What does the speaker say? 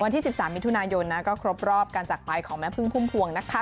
วันที่๑๓มิถุนายนนะก็ครบรอบการจักรไปของแม่พึ่งพุ่มพวงนะคะ